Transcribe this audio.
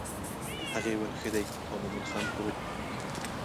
هغې وویل ښه دی او مومن خان پر ووت.